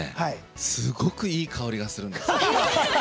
すごくいい香りがするんです。